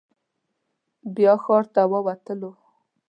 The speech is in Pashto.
بیا ښار ته ووتلو.